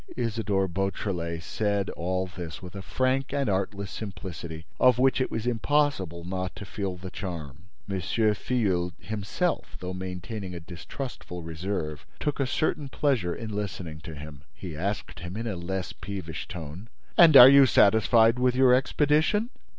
Isidore Beautrelet said all this with a frank and artless simplicity of which it was impossible not to feel the charm. M. Filleul himself, though maintaining a distrustful reserve, took a certain pleasure in listening to him. He asked him, in a less peevish tone: "And are you satisfied with your expedition?"